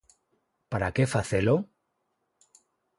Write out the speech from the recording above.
Para que facelo?